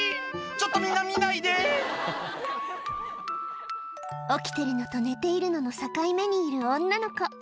ちょっとみんな見ないで起きてるのと寝ているのの境目にいる女の子